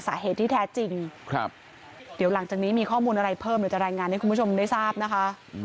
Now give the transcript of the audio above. สาเหตุที่แท้จริงเดี๋ยวหลังจากนี้มีข้อมูลอะไรเพิ่มเดี๋ยวจะรายงานให้คุณผู้ชมได้ทราบนะคะ